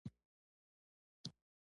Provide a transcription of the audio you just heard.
د کندهار قلعه بست د بایقرا ده